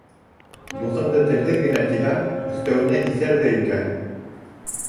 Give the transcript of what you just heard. Дуҫыңды телһеҙ генә тиһәм, өҫтәүенә иҫәр ҙә икән!